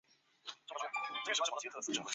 命令航路之中也以基隆神户线最为重要。